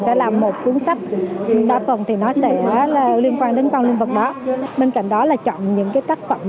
sẽ làm một cuốn sách đảm bảo thì nó sẽ liên quan đến con linh vật đó bên cạnh đó là chọn những cái tất vọng khác nhau